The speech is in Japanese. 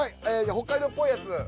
北海道っぽいやつ。